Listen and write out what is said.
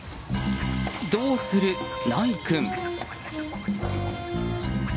どうする、ナイ君！